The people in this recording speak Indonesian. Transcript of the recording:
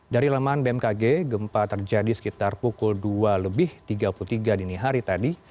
dari laman bmkg gempa terjadi sekitar pukul dua lebih tiga puluh tiga dini hari tadi